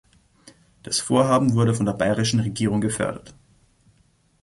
Das Vorhaben wurde von der bayerischen Regierung gefördert.